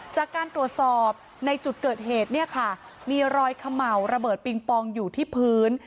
จากการตรวจสอบในจุดเกิดเหตุเนี่ยค่ะมีรอยเขม่าระเบิดปิงปองอยู่ที่พื้น